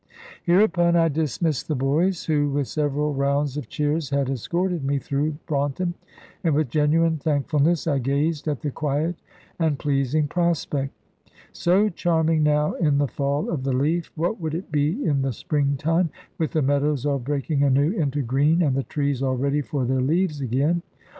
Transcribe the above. Hereupon I dismissed the boys, who, with several rounds of cheers, had escorted me through Braunton; and with genuine thankfulness I gazed at the quiet and pleasing prospect. So charming now in the fall of the leaf, what would it be in the spring time, with the meadows all breaking anew into green, and the trees all ready for their leaves again?